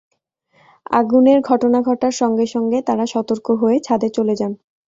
আগুনের ঘটনা ঘটার সঙ্গে সঙ্গে তাঁরা সতর্ক হয়ে ছাদে চলে যান।